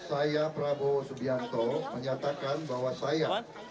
siapa boswiato menyatakan bahwa saya